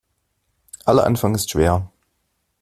Aller Anfang ist schwer.